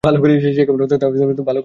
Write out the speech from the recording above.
সে কেমন বাহাদুর তা তুমি ভাল করেই জান।